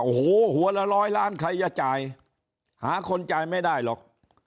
โอ้โหหัวละร้อยล้านใครจะจ่ายหาคนจ่ายไม่ได้หรอก